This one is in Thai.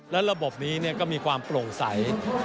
และระบบนี้ก็มีความโปร่งใส